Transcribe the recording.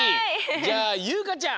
じゃあゆうかちゃん。